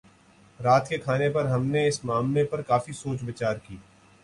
رات کے کھانے پر ہم نے اس معمے پر کافی سوچ بچار کی